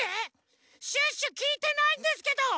シュッシュきいてないんですけど！